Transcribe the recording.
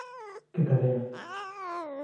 ¿Que cadea?